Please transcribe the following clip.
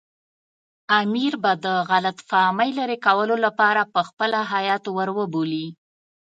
امیر به د غلط فهمۍ لرې کولو لپاره پخپله هیات ور وبولي.